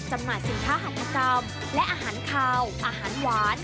จำหมายสินค้าหักกระกำและอาหารขาวอาหารหวาน